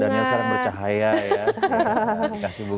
karena daniel sekarang bercahaya ya